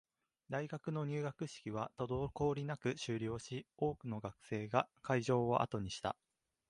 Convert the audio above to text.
大学の入学式は滞りなく終了し、多くの学生が会場を後にした